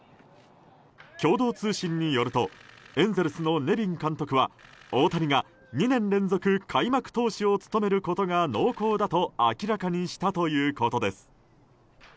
共同通信によるとエンゼルスのネビン監督は大谷が２年連続開幕投手を務めることが濃厚だと明らかにしたということです。